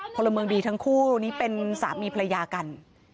พลเมิงดีทั้งคู่นี่เป็นสามีพลเมิงดีกัน